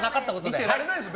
見てられないです